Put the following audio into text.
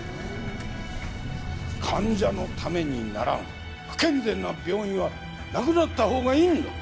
患者のためにならん不健全な病院はなくなったほうがいいんだ。